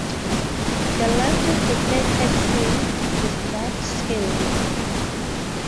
The length of the third axis is not scaled.